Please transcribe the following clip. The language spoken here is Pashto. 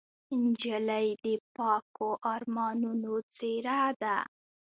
نجلۍ د پاکو ارمانونو څېره ده.